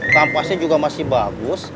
kampusnya juga masih bagus